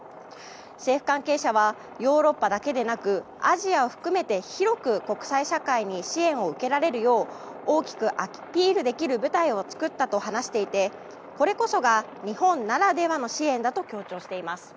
政府関係者はヨーロッパだけでなくアジアを含めて広く国際社会に支援を受けられるよう大きくアピールできる舞台を作ったと話していてこれこそが日本ならではの支援だと強調しています。